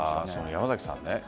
山崎さん